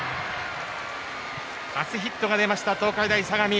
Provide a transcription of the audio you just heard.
初ヒットが出ました、東海大相模。